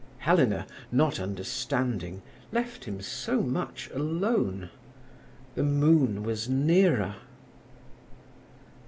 Helena, not understanding, left him so much alone; the moon was nearer.